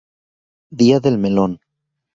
Día del melón.